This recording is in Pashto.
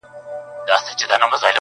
خو د ښکار یې په هیڅ وخت کي نسته ګټه٫